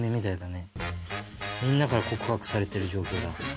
みんなから告白されてる状況だ。